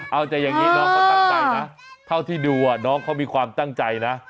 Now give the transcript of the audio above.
เอาแต่อย่างนี้น้องเขาตั้งใจนะเท่าที่ดูน้องเขามีความตั้งใจนะ